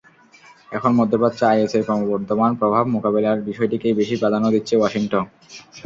এখন মধ্যপ্রাচ্যে আইএসের ক্রমবর্ধমান প্রভাব মোকাবিলার বিষয়টিকেই বেশি প্রাধান্য দিচ্ছে ওয়াশিংটন।